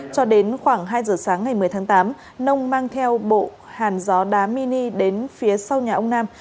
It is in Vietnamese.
cho đến khoảng hai giờ sáng ngày một mươi tháng tám nông mang theo bộ hàn gió đá mini đến phía sau nhà ông nam